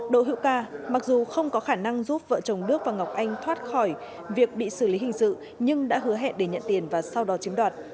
đỗ hữu ca mặc dù không có khả năng giúp vợ chồng đức và ngọc anh thoát khỏi việc bị xử lý hình sự nhưng đã hứa hẹn để nhận tiền và sau đó chiếm đoạt